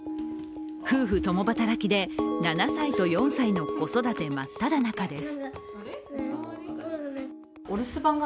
夫婦共働きで７歳と４歳の子育て真っただ中です